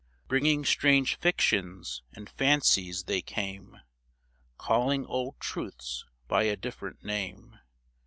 Bringing strange fictions and fancies they came, Calling old truths by a different name.